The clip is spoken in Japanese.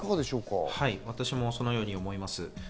私もそのように思います。